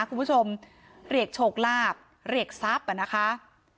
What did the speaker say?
คุณผู้ชมเหลกโฉกลาบเหลกทรัพย์อะนะคะ